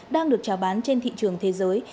đang được trào bán trên thị trường thế giới